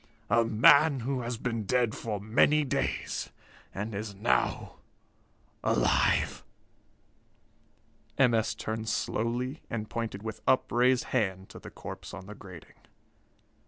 A man who has been dead for many days, and is now alive!" M. S. turned slowly and pointed with upraised hand to the corpse on the grating.